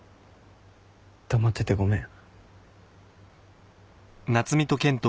黙っててごめん。